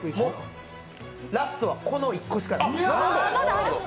ラストはこの１個しかない。